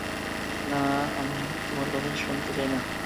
না, আমি তোমার কথা শুনতে চাই না।